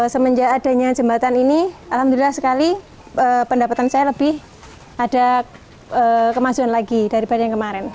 semenjak adanya jembatan ini alhamdulillah sekali pendapatan saya lebih ada kemajuan lagi daripada yang kemarin